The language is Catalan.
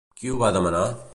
Qui ho va demanar?